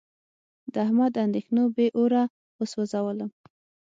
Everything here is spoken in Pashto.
د احمد اندېښنو بې اوره و سوزولم.